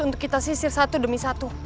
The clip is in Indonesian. untuk kita sisir satu demi satu